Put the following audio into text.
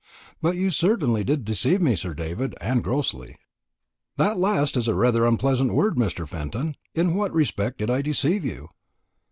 But you certainly did deceive me, Sir David, and grossly." "That last is rather an unpleasant word, Mr. Fenton. In what respect did I deceive you?"